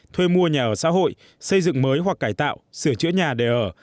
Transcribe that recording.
thuê mua nhà ở xã hội xây dựng mới hoặc cải tạo sửa chữa nhà để ở